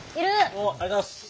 おっありがとうございます。